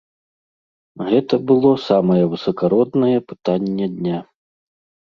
Гэты было самае высакароднае пытанне дня.